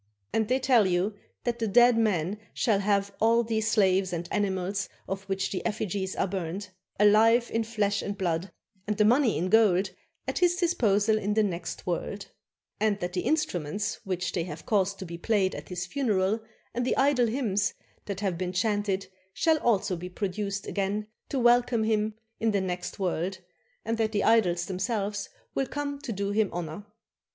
And they tell you that the dead man shall have all these slaves and animals of which the effigies are burnt, alive in flesh and blood, and the money in gold, at his disposal in the next world ; and that the instruments which they have caused to be played at his funeral and the idol hymns that have been chanted shall also be produced again to welcome him in the next world; and that the idols themselves will come to do him honor.